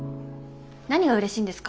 何がうれしいんですか？